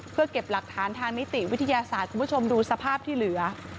เพื่อเก็บหลักฐานทางนิติวิทยาศาสตร์คุณผู้ชมดูสภาพที่เหลือ